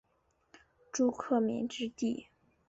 朱克敏之弟。